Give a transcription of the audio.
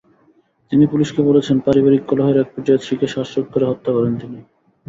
তিনি পুলিশকে বলেছেন, পারিবারিক কলহের একপর্যায়ে স্ত্রীকে শ্বাসরোধ করে হত্যা করেন তিনি।